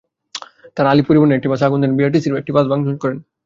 তাঁরা আলিফ পরিবহনের একটি বাসে আগুন দেন, বিআরটিসির একটি বাস ভাঙচুর করেন।